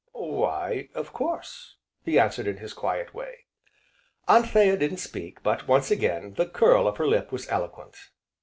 "Why, of course!" he answered in his quiet way. Anthea didn't speak but, once again, the curl of her lip was eloquent.